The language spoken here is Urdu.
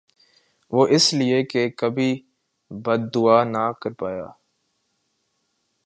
وُہ اس لئے کہ کبھی بد دُعا نہ کر پایا